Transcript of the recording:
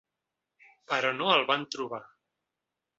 Però no el van trobar.